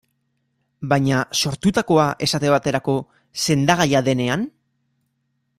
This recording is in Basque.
Baina, sortutakoa, esate baterako, sendagaia denean?